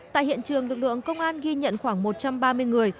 tại hiện trường lực lượng công an ghi nhận khoảng một trăm ba mươi người